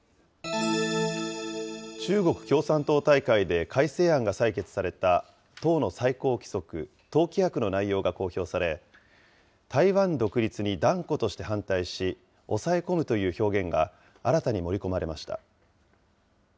中国共産党大会で改正案が採決された党の最高規則、党規約の内容が公表され、台湾独立に断固として反対し、抑え込むという表現が新たに盛り込まれました。